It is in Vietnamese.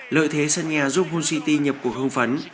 lợi thế sân nhà giúp hull city nhập cuộc hương phấn